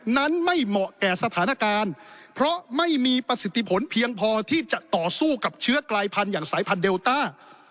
นั้นไม่เหมาะแก่สถานการณ์เพราะไม่มีประสิทธิผลเพียงพอที่จะต่อสู้กับเชื้อกลายพันธุ์อย่างสายพันธุเดลต้า